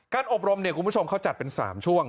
การอบรมเนี่ยกูชมร่วมเค้าจัดเป็น๓ช่วง